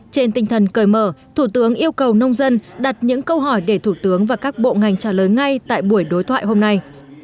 trên tinh thần cởi mở thủ tướng yêu cầu nông dân đặt những câu hỏi để thủ tướng và các bộ ngành trả lời ngay tại buổi đối thoại hôm nay